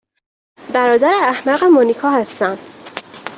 برادر احمق مونیکا هستم